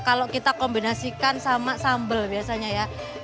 kalau kita kombinasikan sama sambal biasanya ya